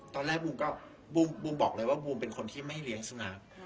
ตอนแรกบูมก็บูมบอกเลยว่าบูมเป็นคนที่ไม่เลี้ยงสุนัข